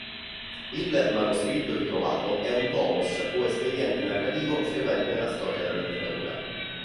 Il "manoscritto ritrovato" è un topos o espediente narrativo frequente nella storia della letteratura.